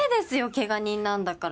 ケガ人なんだから。